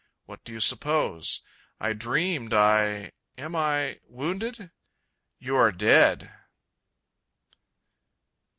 What do you suppose? I dreamed I... AM I... wounded? "YOU ARE DEAD."